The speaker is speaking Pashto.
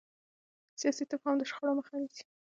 سیاسي تفاهم د شخړو مخه نیسي